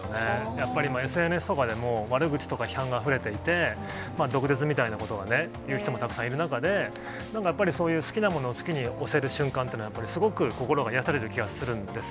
やっぱり、ＳＮＳとかでも、悪口とか批判が増えていて、毒舌みたいなことを言う人もたくさんいる中で、なんかやっぱり、好きなものを好きに推せる瞬間っていうのは、やっぱりすごく心が癒やされる気がするんです。